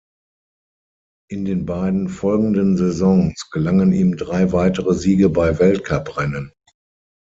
In den beiden folgenden Saisons gelangen ihm drei weitere Siege bei Weltcup-Rennen.